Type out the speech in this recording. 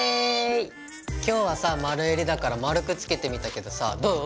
今日はさ丸襟だから丸くつけてみたけどさどう？